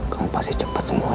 kamu pasti cepat sembuhnya